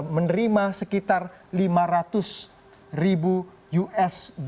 menerima sekitar lima ratus ribu usd